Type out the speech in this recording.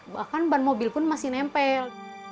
bahkan ban mobil pun masih nempel